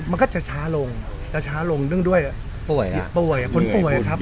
มันก็จะช้าลงจะช้าลงเนื่องด้วยป่วยป่วยคนป่วยครับ